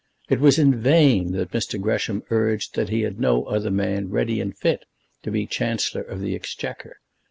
It was in vain that Mr. Gresham urged that he had no other man ready and fit to be Chancellor of the Exchequer.